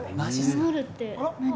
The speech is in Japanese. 守るって何？